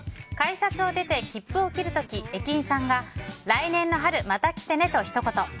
改札を出て切符を切る時駅員さんが来年の春また来てねと、ひと言。